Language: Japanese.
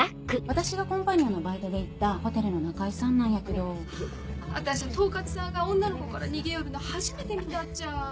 ・私がコンパニオンのバイトで行ったホテルの仲居さんなんやけど。はぁわたしゃ統括さんが女の子から逃げよるの初めて見たっちゃ。